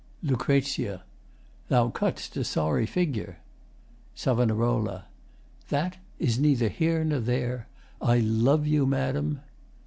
] LUC. Thou cutst a sorry figure. SAV. That Is neither here nor there. I love you, Madam.